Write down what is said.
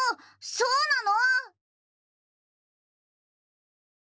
そーなの！？